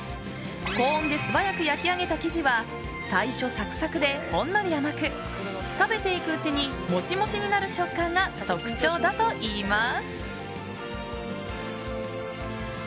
高温で素早く焼き上げた生地は最初サクサクでほんのり甘く食べていくうちにモチモチになる食感が特徴だといいます。